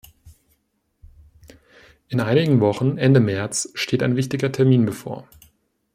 In einigen Wochen, Ende März, steht ein wichtiger Termin bevor.